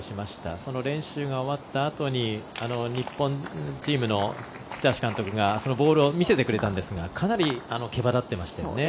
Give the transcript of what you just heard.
その練習が終わったあとに日本チームの土橋監督がそのボールを見せてくれたんですがかなりけばだってましたね。